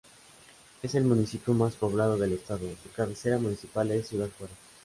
Es el municipio más poblado del estado, su cabecera municipal es Ciudad Juárez.